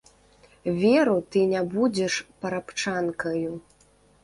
Веру, ты не будзеш парабчанкаю.